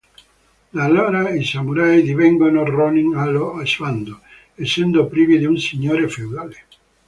Da allora i samurai divengono ronin allo sbando, essendo privi di un signore feudale.